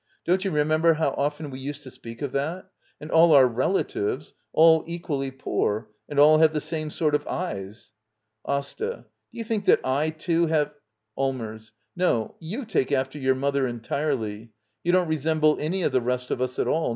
Don't you remember how often we used to speak of that? And all our rela tives — all equally poor. And all have the same sort of eyes. Asta. Do you think that I, too, have — Allmers. No, you take after your mother en tirely. You don't resemble any of the rest of us at all.